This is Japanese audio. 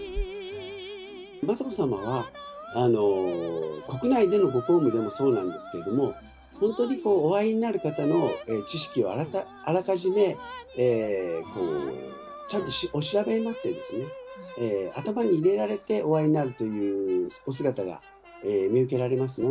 雅子さまは、国内でのご公務でもそうなんですけど、本当にお会いになる方の知識をあらかじめちゃんとお調べになってですね、頭に入れられてお会いになるというお姿が見受けられますね。